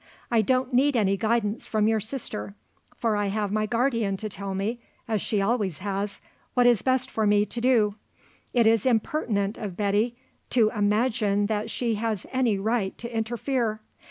I don't need any guidance from your sister; for I have my guardian to tell me, as she always has, what is best for me to do. It is impertinent of Betty to imagine that she has any right to interfere.